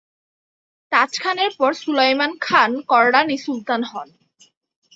তাজ খানের পর সুলায়মান খান কররানী সুলতান হন।